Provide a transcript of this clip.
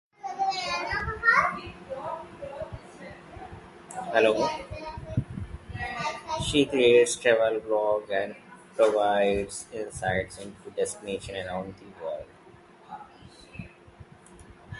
She creates travel vlogs and provides insights into destinations around the world.